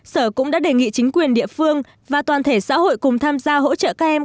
sở cũng đã đề nghị chính quyền địa phương và toàn thể xã hội cùng tham gia hỗ trợ các em